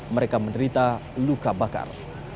mereka menderita luka bakar